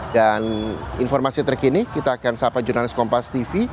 dan informasi terkini kita akan sampai di jurnalis kompas tv